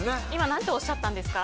何ておっしゃったんですか？